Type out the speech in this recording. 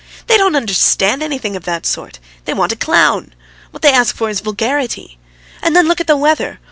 They don't understand anything of that sort. They want a clown; what they ask for is vulgarity. And then look at the weather!